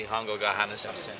話せません？